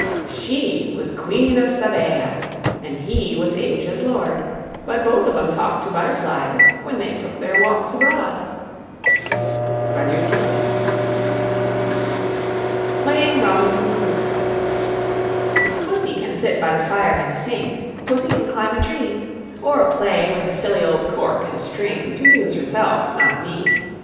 She was Queen of Sabaea And he was Asia's Lord But they both of 'em talked to butterflies When they took their walks abroad. RUDYARD KIPLING. (In "The Just So Stories.") PLAYING ROBINSON CRUSOE. Pussy can sit by the fire and sing, Pussy can climb a tree, Or play with a silly old cork and string To 'muse herself, not me.